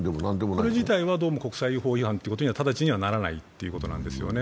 これ自体は国際法違反には直ちにならないということですね。